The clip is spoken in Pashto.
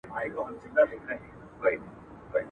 کورني تولیدات باید ملاتړ سي.